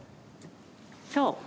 そう。